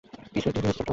কি হইছে ছোট্ট বাচ্চা?